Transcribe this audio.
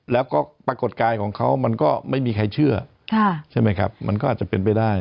แล้วก็ปรากฏกายของเขามันก็ไม่มีใครเชื่อใช่ไหมครับมันก็อาจจะเป็นไปได้